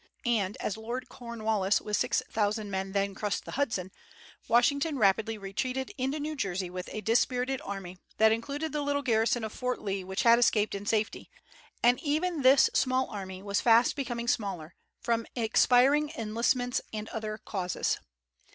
And, as Lord Cornwallis with six thousand men then crossed the Hudson, Washington rapidly retreated into New Jersey with a dispirited army, that included the little garrison of Fort Lee which had escaped in safety; and even this small army was fast becoming smaller, from expiring enlistments and other causes.